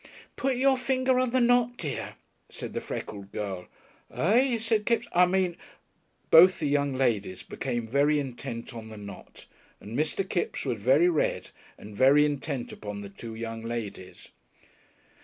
"Put your finger on the knot, dear," said the freckled girl. "Eh?" said Kipps; "I mean " Both the young ladies became very intent on the knot, and Mr. Kipps was very red and very intent upon the two young ladies.